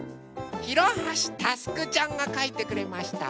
ひろはしたすくちゃんがかいてくれました。